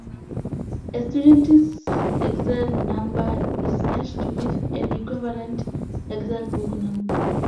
A student's lexile number is matched with an equivalent Lexile book number.